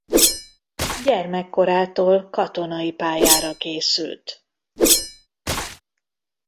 Gyermekkorától katonai pályára készült.